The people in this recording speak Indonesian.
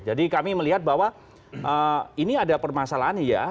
jadi kami melihat bahwa ini ada permasalahan ya